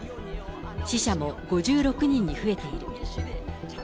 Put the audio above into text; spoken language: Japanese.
死者も５６人に増えている。